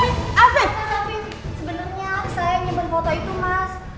mas afif sebenernya saya yang nyimpen foto itu mas